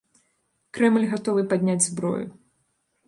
Крэмль гатовы падняць зброю.